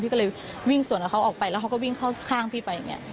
ก็เลยวิ่งสวนกับเขาออกไปแล้วเขาก็วิ่งเข้าข้างพี่ไปอย่างนี้